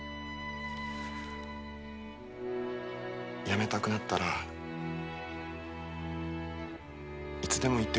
やめたくなったらいつでも言ってください。